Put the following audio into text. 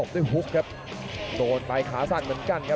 กระโดยสิ้งเล็กนี่ออกกันขาสันเหมือนกันครับ